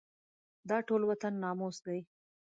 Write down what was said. دا ټول وطن ناموس دی.